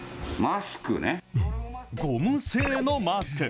ゴム製のマスク。